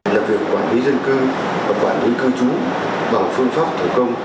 là việc quản lý dân cư và quản lý cư trú bằng phương pháp thủ công